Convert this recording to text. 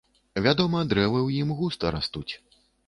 Вядома, дрэвы ў ім густа растуць.